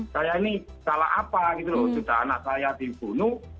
saya ini salah apa gitu loh sudah anak saya dibunuh